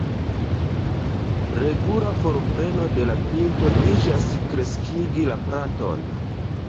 Regula forpreno de la pinto iĝas kreskigi la planton.